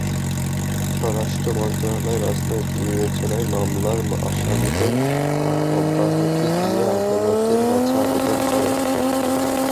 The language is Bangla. স্বরাষ্ট্র মন্ত্রণালয় রাজনৈতিক বিবেচনায় মামলার আসামিদের অব্যাহতি দিতে আদালতের কাছে আবেদন করে।